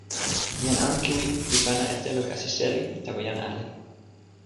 jan Ankewi li pana e telo kasi seli tawa jan ale.